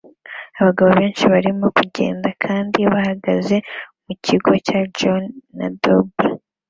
Abagabo benshi barimo kugenda kandi bahagaze mu kigo cya John A Noble